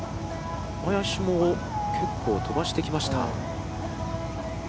小林も結構飛ばしてきました。